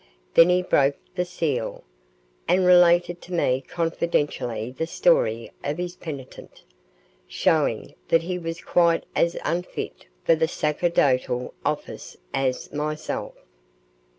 Then he broke the seal, and related to me confidentially the story of his penitent, showing that he was quite as unfit for the sacerdotal office as myself.